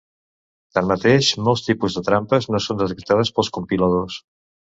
Tanmateix, molts tipus de trampes no són detectades pels compiladors.